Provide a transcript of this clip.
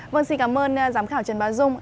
vâng xin cảm ơn giám khảo trần bá dung